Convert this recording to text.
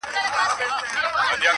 ته له چا څخه په تېښته وارخطا یې!.